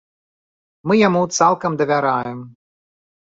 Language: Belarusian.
Мы яму цалкам давяраем.